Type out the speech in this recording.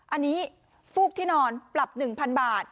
อันนี้ฟูกที่นอนปรับ๑๐๐๐บาท